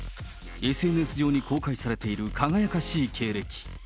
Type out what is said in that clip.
ＳＮＳ上に公開されている輝かしい経歴。